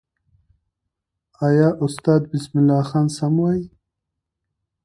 آیا استاد بسم الله خان سم وایي؟